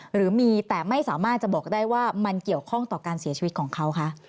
หรือมีแต่ไม่สามารถจะบอกได้ว่ามันเกี่ยวข้องต่อการเสียชีวิตของเขาคะ